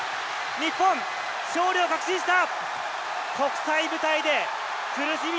日本勝利を確信した！